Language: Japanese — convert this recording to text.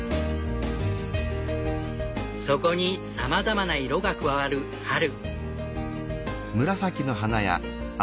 そこにさまざまな色が加わる春。